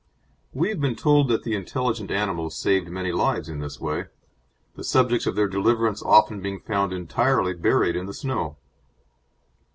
We have been told that the intelligent animals saved many lives in this way, the subjects of their deliverance often being found entirely buried in the snow.